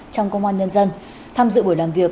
trong công an nhân dân tham dự buổi làm việc